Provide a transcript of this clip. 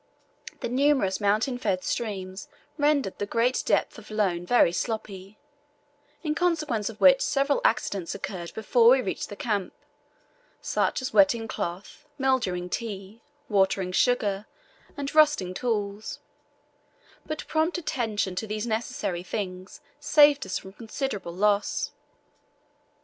The numerous mountain fed streams rendered the great depth of loam very sloppy, in consequence of which several accidents occurred before we reached the camp, such as wetting cloth, mildewing tea, watering sugar, and rusting tools; but prompt attention to these necessary things saved us from considerable loss.